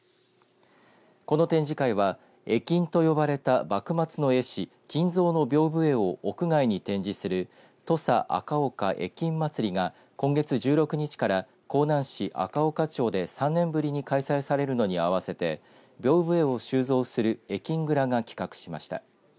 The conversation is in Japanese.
この展示会は、絵金と呼ばれた幕末の絵師、金蔵のびょうぶ絵を屋外に展示する土佐赤岡絵金祭りが今月１６日から香南市赤岡町で３年ぶりに開催されるのに合わせてびょうぶ絵を収蔵する絵金蔵が企画しました。